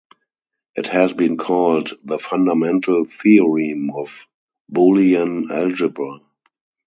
It has been called the "fundamental theorem of Boolean algebra".